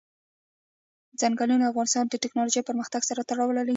چنګلونه د افغانستان د تکنالوژۍ پرمختګ سره تړاو لري.